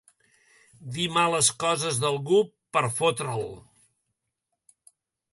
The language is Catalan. Dir males coses d'algú per fotre'l.